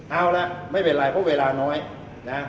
เอาละไม่เป็นไรเพราะเวลาน้อยนะฮะ